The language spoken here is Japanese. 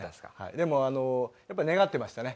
でもやっぱ願ってましたね。